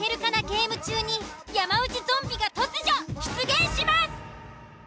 ゲーム中に山内ゾンビが突如出現します！